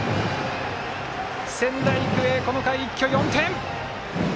仙台育英、この回、一挙４点！